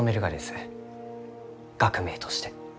学名として。